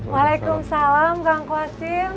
waalaikumsalam kang khwasim